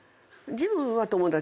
ジムは友達。